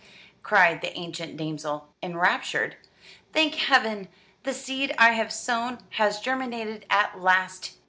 cried the ancient damsel, enraptured. "Thank Heaven! the seed I have sown has germinated at last.